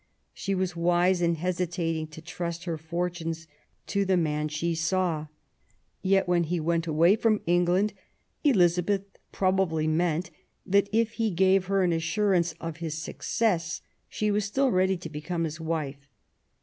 She was wise in hesitating to trust her fortunes to the man she saw. Yet, when he went away from England, Elizabeth probably meant that, if he gave her an assurance of his success, she was still ready to become his wife.